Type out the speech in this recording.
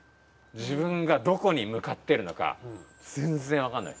自分がどこに向かってるのか全然分かんない。